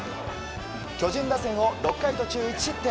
巨人打線を６回途中１失点。